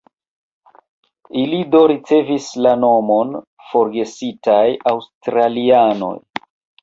Ili do ricevis la nomon "Forgesitaj Aŭstralianoj".